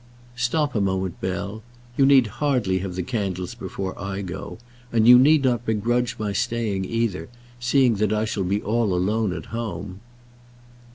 "Stop a moment, Bell. You need hardly have the candles before I go, and you need not begrudge my staying either, seeing that I shall be all alone at home."